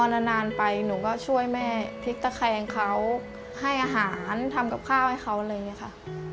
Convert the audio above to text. นานไปหนูก็ช่วยแม่พลิกตะแคงเขาให้อาหารทำกับข้าวให้เขาอะไรอย่างนี้ค่ะ